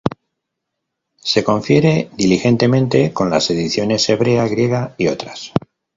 Se confiere diligentemente con las ediciones hebrea, griega y otras".